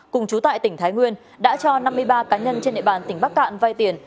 cùng chú tại tỉnh thái nguyên đã cho năm mươi ba cá nhân trên địa bàn tỉnh bắc cạn vay tiền